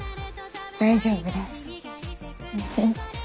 大丈夫です。